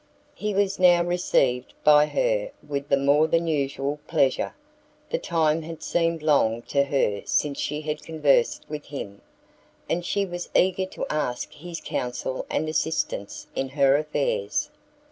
He was now received by her with more than usual pleasure; the time had seemed long to her since she had conversed with him, and she was eager to ask his counsel and assistance in her affairs.